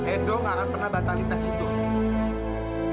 edo tidak pernah batalkan tes itu